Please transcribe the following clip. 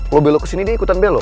lo belok kesini dia ikutan belok